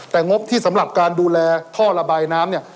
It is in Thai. แต่งบที่สำหรับการดูแลท่อระบายน้ำเนี่ย